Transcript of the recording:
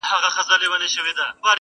نن جهاني په ستړو منډو رباتونه وهي٫